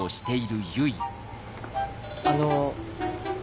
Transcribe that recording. あの。